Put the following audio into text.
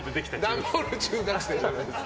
段ボール中学生じゃないです。